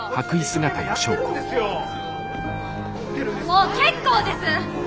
もう結構です！